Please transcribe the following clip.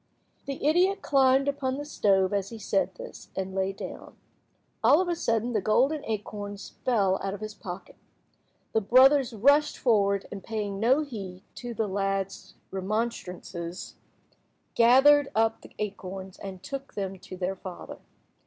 The idiot climbed upon the stove as he said this, and lay down. All of a sudden the golden acorns fell out of his pocket. The brothers rushed forward, and paying no heed to the lad's remonstrances, gathered up the acorns and took them to their father.